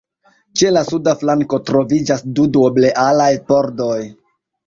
Ĉe la suda flanko troviĝas du duoblealaj pordoj.